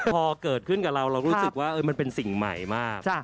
พอเกิดขึ้นกับเราเรารู้สึกว่ามันเป็นสิ่งใหม่มาก